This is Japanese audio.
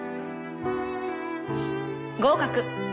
合格。